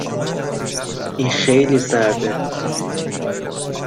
این خیلی سرد است.